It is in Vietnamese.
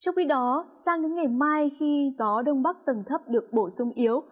trong khi đó sang đến ngày mai khi gió đông bắc tầng thấp được bổ sung yếu